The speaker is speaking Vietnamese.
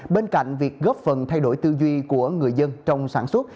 bên cạnh việc góp phần thay đổi tư duy của người dân trong sản xuất